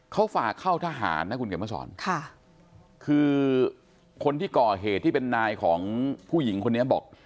เขาฝากเข้าทหารนะคุณเขียนมาสอนค่ะคือคนที่ก่อเหตุที่เป็นนายของผู้หญิงคนนี้บอก